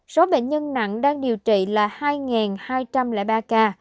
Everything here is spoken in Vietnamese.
số bệnh nhân nặng đang điều trị là hai hai trăm linh ba ca